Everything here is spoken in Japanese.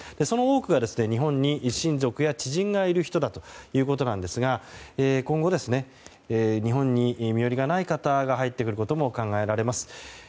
その多くは日本に親族や知人がいる人だということなんですが今後、日本に身寄りがない人が入ってくることも考えられます。